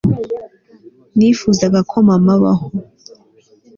nifuzaga ko mama abaho